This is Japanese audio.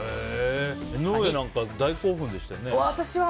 江上さんは大興奮でしたよね。